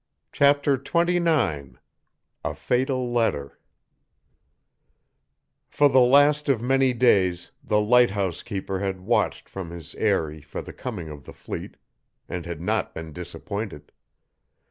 CHAPTER XXIX A FATAL LETTER For the last of many days the light housekeeper had watched from his aerie for the coming of the fleet and had not been disappointed.